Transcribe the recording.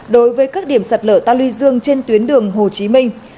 đối với các điểm sạt lở tàu lưu dương trên tuyến đường hồ chí minh